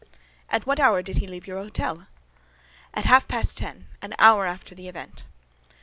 "At what hour did he leave your hôtel?" "At half past ten—an hour after the event."